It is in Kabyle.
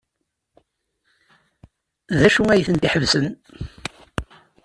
D acu ay ten-iḥebsen?